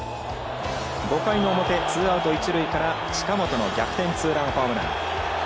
５回の表、ツーアウト、一塁から近本の逆転ツーランホームラン。